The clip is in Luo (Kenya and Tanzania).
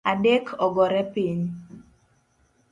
Adek ogore piny